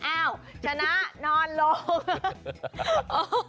อ้าวชนะนอนลง